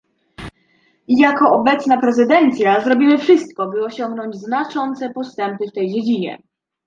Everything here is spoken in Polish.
Jako obecna prezydencja zrobimy wszystko, by osiągnąć znaczące postępy w tej dziedzinie